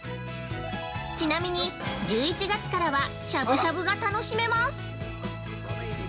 ちなみに、１１月からはしゃぶしゃぶが楽しめます！